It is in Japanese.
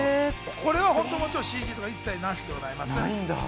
これはもちろんＣＧとか一切なしでございます。